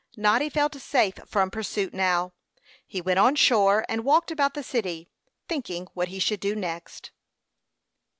Noddy felt safe from pursuit now; he went on shore, and walked about the city, thinking what he should do next.